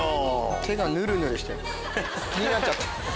手がぬるぬるして気になっちゃって。